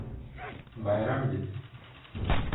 Байрам бит.